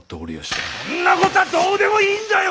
そんなことはどうでもいいんだよ！